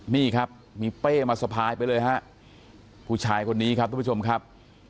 นี่ครับมีเป้มาสะพายไปเลยฮะผู้ชายคนนี้ครับทุกผู้ชมครับ